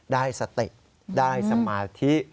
ได้สติได้สมาธิ